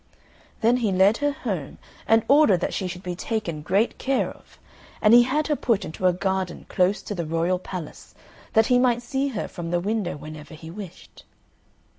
Then he led her home and ordered that she should be taken great care of; and he had her put into a garden close to the royal palace, that he might see her from the window whenever he wished.